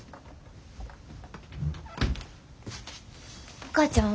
お母ちゃんは？